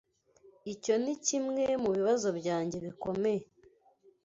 Icyo nikimwe mubibazo byanjye bikomeye.